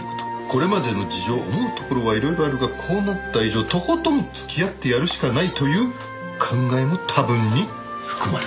「これまでの事情思うところはいろいろあるがこうなった以上とことん付き合ってやるしかないという考えも多分に含まれている」